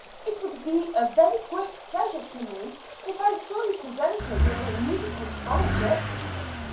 It would be a very great pleasure to me if I saw you presented with a musical scholarship."